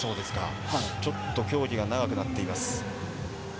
ちょっと協議が長くなっています。